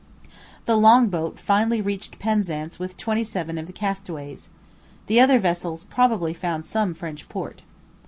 The longboat finally reached Penzance with twenty seven of the castaways. The other vessels probably found some French port.